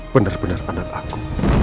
benar benar anak aku